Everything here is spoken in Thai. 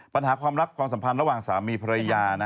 ปัญหาความรักความสัมพันธ์ระหว่างสามีภรรยา